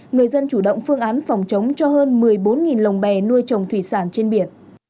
người dân chủ động phương án phòng chống cho hơn một mươi bốn lồng bè nuôi trồng thủy sản trên biển